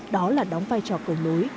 đó là đóng vai trò cầu lối